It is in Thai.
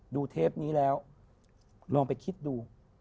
เทปนี้แล้วลองไปคิดดู